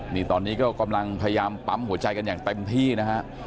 นี่ตอนนี้ก็กำลังพยายามปั๊มหัวใจกันอย่างเต็มที่นะฮะ